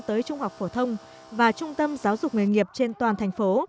tới trung học phổ thông và trung tâm giáo dục nghề nghiệp trên toàn thành phố